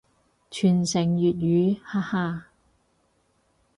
傳承粵語，哈哈